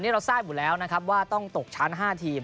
เราทราบอยู่แล้วนะครับว่าต้องตกชั้น๕ทีม